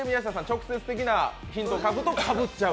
直接的なヒントを書くとかぶっちゃう。